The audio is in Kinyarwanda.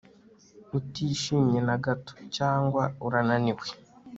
utishimye nagato cyangwa urananiwe